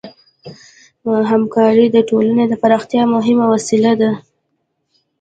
همکاري د ټولنې د پراختیا مهمه وسیله ده.